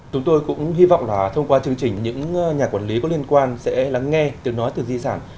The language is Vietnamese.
chúng tôi cũng hy vọng là thông qua chương trình những nhà quản lý có liên quan sẽ lắng nghe tiếng nói từ di sản